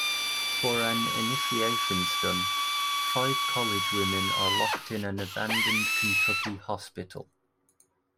For an initiation stunt, five college women are locked in an abandoned Kentucky hospital.